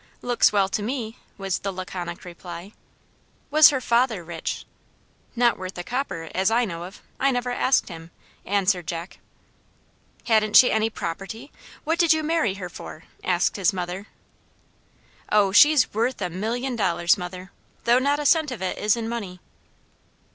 "Looks well to me," was the laconic reply. "Was her FATHER rich?" "Not worth a copper, as I know of; I never asked him," answered Jack. "Hadn't she any property? What did you marry her for," asked his mother. "Oh, she's WORTH A MILLION dollars, mother, though not a cent of it is in money."